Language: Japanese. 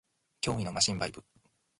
脅威のマシンバイブ